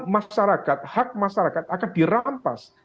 masyarakat hak masyarakat akan dirampas